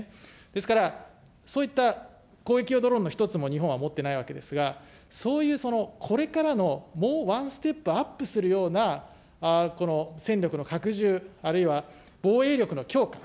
ですから、そういった攻撃用ドローンの１つも日本は持っていないわけですが、そういう、これからのもうワンステップアップするような、この戦力の拡充、あるいは防衛力の強化。